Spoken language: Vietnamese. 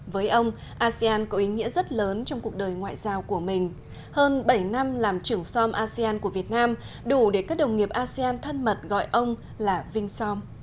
với ông asean có ý nghĩa rất lớn trong cuộc đời ngoại giao của mình hơn bảy năm làm trưởng xóm asean của việt nam đủ để các đồng nghiệp asean thân mật gọi ông là vinh xóm